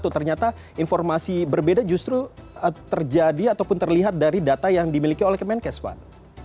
ternyata informasi berbeda justru terjadi ataupun terlihat dari data yang dimiliki oleh kemenkes pak